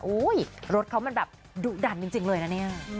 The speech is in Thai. รถเขามันแบบดุดันจริงเลยนะเนี่ย